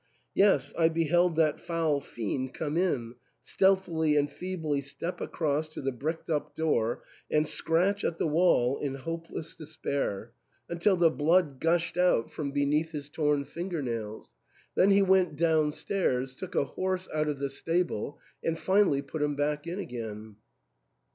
Yes, I beheld that foul fiend come in, stealthily and feebly step across to the bricked up door, and scratch at the wall in hope less despair until the blood gushed out from beneath 232 THE ENTAIL. his torn finger*nails ; then he went downstairs, took a horse out of the stable, and finally put him back again.